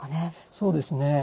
そうですね。